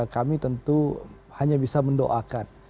kami tentu hanya bisa mendoakan